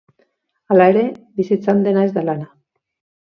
Hala ere, bizitzan dena ez da lana.